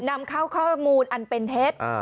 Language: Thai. นำเข้าข้อมูลอันเป็นเท็จ